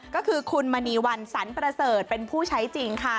ก็คือคุณมันนีวัลร์สรรพรเศรษฐ์เป็นผู้ใช้จริงค่ะ